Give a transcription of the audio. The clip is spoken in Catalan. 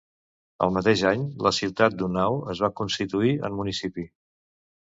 El mateix any, la ciutat d'Unnao es va constituir en municipi.